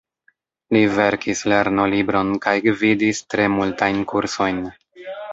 Li verkis lernolibron kaj gvidis tre multajn kursojn.